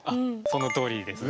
そのとおりです。